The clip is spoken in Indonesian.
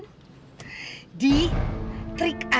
maksudnya abis pesen kue pernikahan